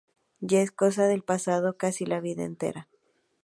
Ya es cosa del pasado casi la vida entera.